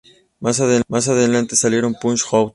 Más adelante salieron "Punch Out!!